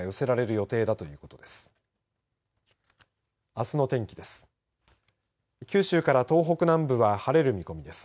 あすの天気です。